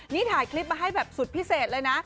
นี่ถ่ายคลิปมาให้แบบสุดพิเศษเลยนะ